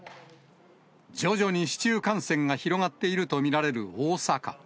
徐々に市中感染が広がっていると見られる大阪。